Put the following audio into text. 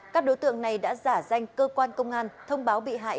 các đối tượng này đã giả danh cơ quan công an thông báo bị hại